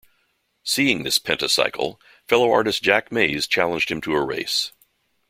Seeing this "Pentacycle," fellow artist Jack Mays challenged him to a race.